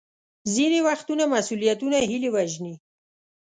ځینې وختونه مسوولیتونه هیلې وژني.